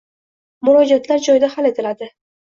Murojaatlar joyida hal etilding